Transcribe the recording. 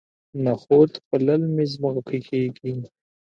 نخود په للمي ځمکو کې کیږي.